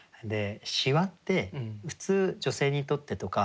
皺って普通女性にとってとか